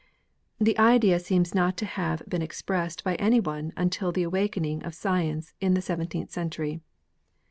the idea seems not to have been expressed by any one until the awakening of science in the seventeenth century.